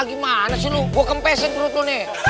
gimana sih lo gue kempesin menurut lo nih